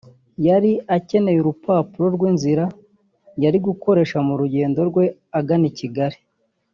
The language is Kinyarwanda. yari akeneye urupapuro rw’inzira yari gukoresha mu rugendo rwe agana i Kigali